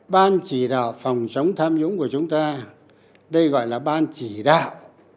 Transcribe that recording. ban chỉ đạo phòng chống tham nhũng của chúng ta đây gọi là ban chỉ đạo